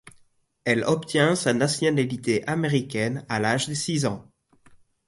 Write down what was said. Elle obtient la nationalité américaine à l'âge de six ans.